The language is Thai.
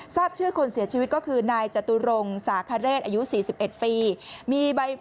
ทราบชื่อคนเสียชีวิตก็คือนายจตุรงสาขเรศอายุ๔๑ปี